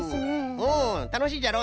うんたのしいじゃろ？